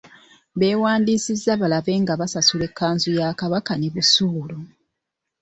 Abeewandiisizza balabe nga basasula ekkanzu ya Kabaka ne busuulu.